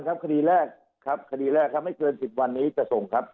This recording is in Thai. ครับขดีแรกไม่เกิน๑๐วันนี้จะส่งครับ